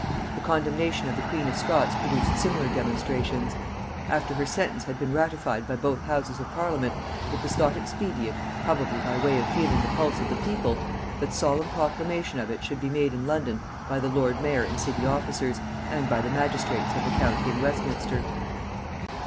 The condemnation of the queen of Scots produced similar demonstrations. After her sentence had been ratified by both houses of parliament, it was thought expedient, probably by way of feeling the pulse of the people, that solemn proclamation of it should be made in London by the lord mayor and city officers, and by the magistrates of the county in Westminster.